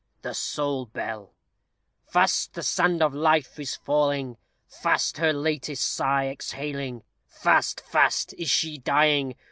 THE SOUL BELL Fast the sand of life is falling, Fast her latest sigh exhaling, Fast, fast, is she dying.